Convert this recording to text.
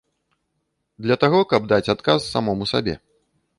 Для таго, каб даць адказ самому сабе.